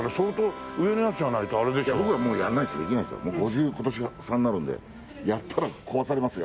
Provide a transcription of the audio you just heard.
もう５０今年が５３になるんでやったら壊されますよ。